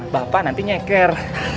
bapak nanti nyeker